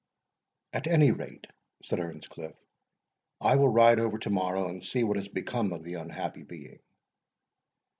"At any rate," said Earnscliff, "I will ride over to morrow and see what has become of the unhappy being."